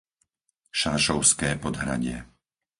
Šášovské Podhradie